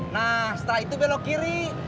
nah setelah itu belok kiri